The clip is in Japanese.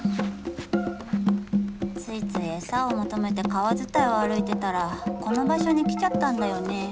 ついつい餌を求めて川伝いを歩いてたらこの場所に来ちゃったんだよね。